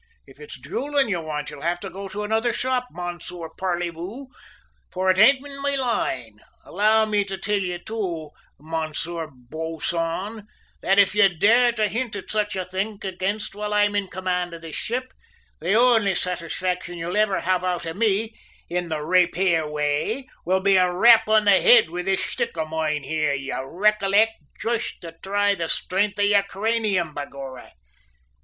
"If it's duellin' ye want you'll have to go to another shop, Monsieur Parleyvoo, for it ain't in my line. Allow me to till ye too, Monsieur Boisson, that if ye dare to hint at sich a thing ag'in whilst I'm in command of this ship, the ounly satisfaction ye'll ivver have out of me in the rap here way will be a rap on the h'id wid this shtick of moine here, you recollict, joist to thry the stringth of y'r craynium, begorrah!